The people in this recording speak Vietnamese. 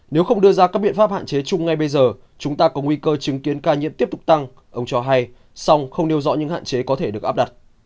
nếu không đưa ra các biện pháp hạn chế chung ngay bây giờ chúng ta có nguy cơ chứng kiến ca nhiễm tiếp tục tăng ông cho hay song không nêu rõ những hạn chế có thể được áp đặt